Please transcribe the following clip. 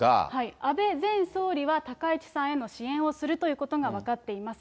安倍前総理は高市さんへの支援をするということが分かっています。